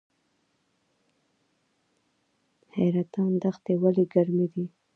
حیرتان دښتې ولې ګرمې دي؟